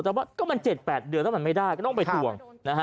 แต่ว่าก็มัน๗๘เดือนแล้วมันไม่ได้ก็ต้องไปทวงนะฮะ